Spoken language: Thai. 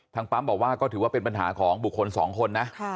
ปั๊มบอกว่าก็ถือว่าเป็นปัญหาของบุคคลสองคนนะ